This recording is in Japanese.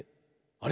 あれ？